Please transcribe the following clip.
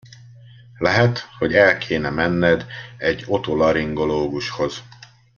Lehet, hogy el kéne menned egy otolaringológushoz.